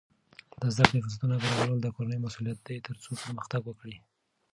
د زده کړې فرصتونه برابرول د کورنۍ مسؤلیت دی ترڅو پرمختګ وکړي.